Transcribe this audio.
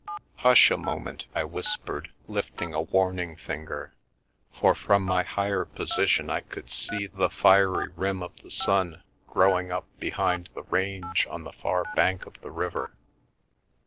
"Hush a moment," I whispered, lifting a warning finger, for from my higher position I could see the fiery rim of the sun growing up behind the range on the far bank of the river.